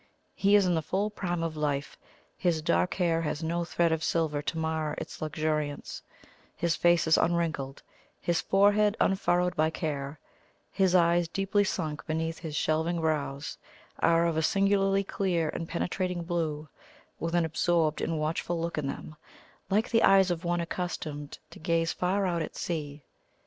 He is in the full prime of life; his dark hair has no thread of silver to mar its luxuriance; his face is unwrinkled; his forehead unfurrowed by care; his eyes, deeply sunk beneath his shelving brows, are of a singularly clear and penetrating blue, with an absorbed and watchful look in them, like the eyes of one accustomed to gaze far out at sea.